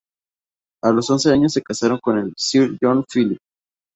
A los once años la casaron con Sir John Philip.